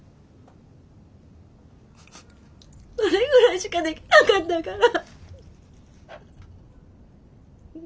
それぐらいしかできなかったから。